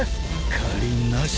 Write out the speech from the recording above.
借りなし。